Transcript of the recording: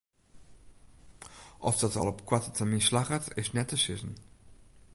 Oft dat al op koarte termyn slagget is net te sizzen.